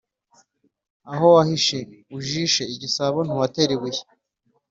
Aho wahishe (ujishe) igisabo, ntuhatera ibuye.